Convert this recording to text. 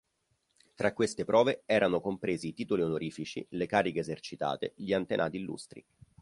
Tra queste prove erano compresi i titoli onorifici, le cariche esercitate, gli antenati illustri.